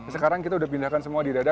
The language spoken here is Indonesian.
sekarang kita sudah pindahkan semua di dada